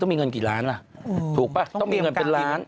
มีเงินกี่ล้านล่ะถูกป่ะต้องมีเงินเป็นล้าน